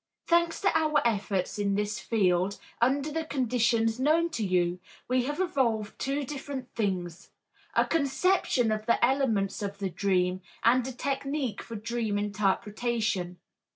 Thanks to our efforts in this field, under the conditions known to you, we have evolved two different things, a conception of the elements of the dream and a technique for dream interpretation.